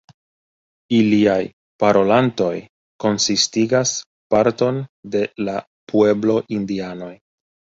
Iliaj parolantoj konsistigas parton de la pueblo-indianoj.